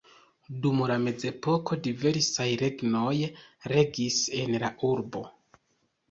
Dum la mezepoko diversaj regnoj regis en la urbo.